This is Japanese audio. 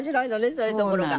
そういうところが。